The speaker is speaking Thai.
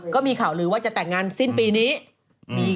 ก็มีข่าวลือว่าจะแต่งงานสิ้นปีนี้